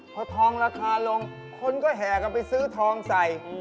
พอทองราคาลงคนก็แห่กันไปซื้อทองใส่